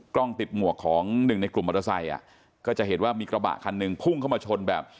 กล้องติดหมวกของหนึ่งในกลุ่มมอเตอร์ไซค์อ่ะก็จะเห็นว่ามีกระบะคันหนึ่งพุ่งเข้ามาชนแบบ